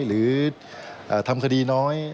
หรือทำคดีน้อย